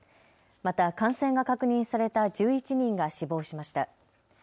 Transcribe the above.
また感染が確認された１１人が死亡しました。